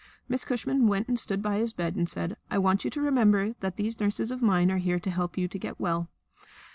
Miss Cushman went and stood by his bed and said: "I want you to remember that these nurses of mine are here to help you to get well.